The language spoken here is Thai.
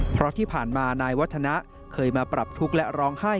เพราะที่ผ่านมานายวัฒนะเคยมาปรับทุกข์และร้องไห้